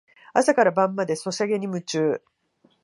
朝から晩までソシャゲに夢中